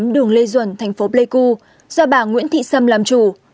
đường lê duẩn thành phố pleiku do bà nguyễn thị sâm làm chủ